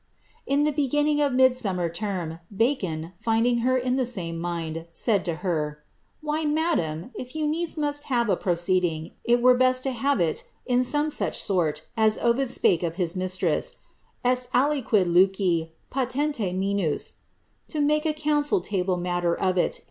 In ihe beginning of Midsummer term, Bacon, finding her in the same mind, said to her, •' Why, madam, if you needs must have a proceeJinj, it were best lo have it in some such sort as Ovid spake of his mistrf ?;, esl aliquid luce palfnle minus— to make a council table matter of it.